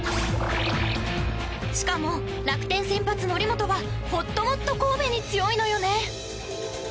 しかも楽天先発、則本はほっともっと神戸に強いのよね。